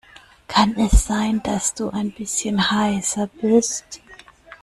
Kann es sein, dass du ein bisschen heiser bist?